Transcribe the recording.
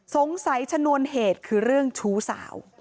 สงสัยฉนวนเหตุคือเรื่องชูสาว